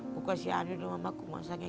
aku kasih adiknya mama aku masaknya